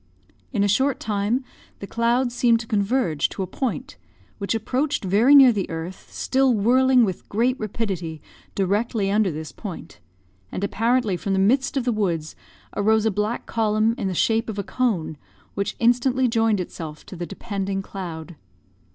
In a short time, the clouds seemed to converge to a point, which approached very near the earth, still whirling with great rapidity directly under this point; and apparently from the midst of the woods arose a black column, in the shape of a cone, which instantly joined itself to the depending cloud.